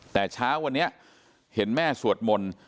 แต่เช้าวันนี้เห็นแม่สวดมนต์